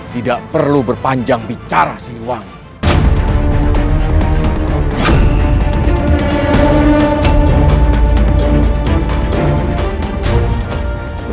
tidak perlu berpanjangbicara siliwangi